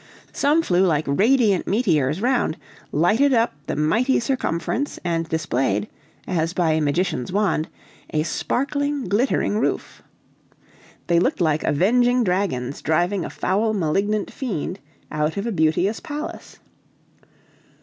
Some flew like radiant meteors round, lighted up the mighty circumference and displayed, as by a magician's wand, a sparkling, glittering roof. They looked like avenging dragons driving a foul, malignant fiend out of a beauteous palace.